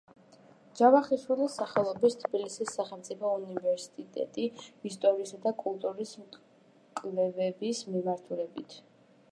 ჯავახიშვილის სახელობის თბილისის სახელმწიფო უნივერსიტეტი ისტორიისა და კულტურის კვლევების მიმართულებით.